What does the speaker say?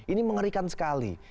ini mengerikan sekali